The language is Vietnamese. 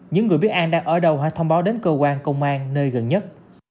những người biết an đang ở đâu hãy thông báo đến cơ quan công an nơi gần nhất